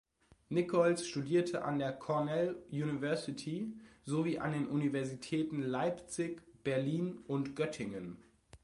Nichols studierte an der Cornell University, sowie an den Universitäten Leipzig, Berlin und Göttingen.